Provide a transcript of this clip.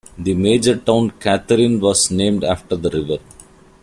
The major town Katherine was named after the river.